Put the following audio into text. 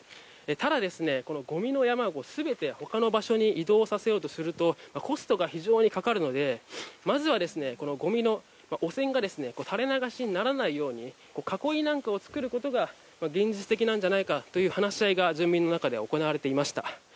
ただ、ごみの山全て他の場所に移動させようとするとコストが非常にかかるのでまずは、ごみの汚染が垂れ流しにならないように囲いなんかを作ることが現実的じゃないかという話し合いが住民の中で行われていました。